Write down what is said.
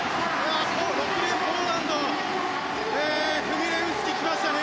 ６レーン、ポーランドのフミレウスキが来ましたね。